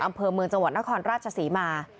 อำเภอเมืองจังหวัดนครราชศรีมา